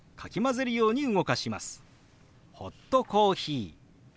「ホットコーヒー」。